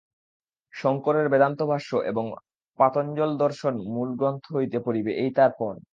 শঙ্করের বেদান্তভাষ্য এবং পাতঞ্জলদর্শন মূল গ্রন্থ হইতে পড়িবে, এই তার পণ।